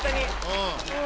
うん。